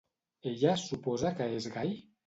Ella suposa que és gai?